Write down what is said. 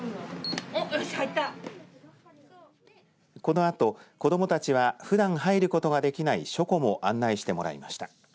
このあと子どもたちはふだん入ることができない書庫も案内してもらいました。